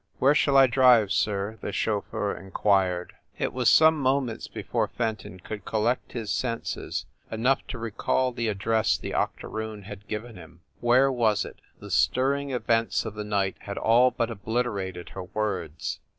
"Where shall I drive, sir?" the chauffeur in quired. It was some moments before Fenton could col lect his senses enough to recall the address the octo roon had given him. Where was it? The stirring events of the night had all but obliterated her words.